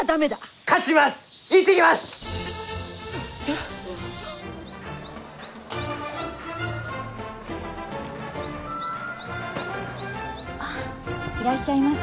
あいらっしゃいませ。